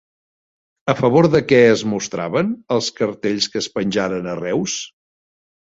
A favor de què es mostraven els cartells que es penjaren a Reus?